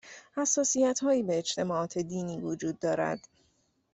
حساسیتهایی به اجتماعات دینی وجود دارد